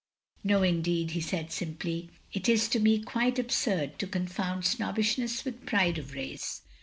" "No, indeed," he said simply, "it is to me quite absurd to conf otmd snobbishness with pride of race.